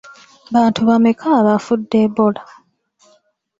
Bantu bameka abafudde Ebola?